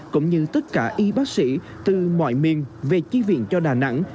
cũng như tất cả y bác sĩ từ mọi miền về chi viện cho đà nẵng